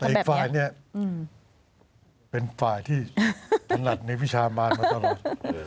แต่อีกฝ่ายเนี่ยเป็นฝ่ายที่ถนัดในวิชามานมาตลอด